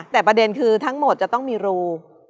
แต่ประเด็นคือทั้งหมดจะต้องมีรู